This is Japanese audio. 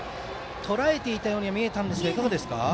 とらえていたように見えましたがいかがですか。